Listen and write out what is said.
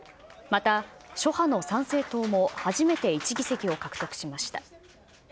また諸派の参政党も初めて１議席を獲得しました。